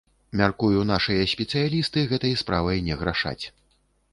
Мяркую, нашыя спецыялісты гэтай справай не грашаць.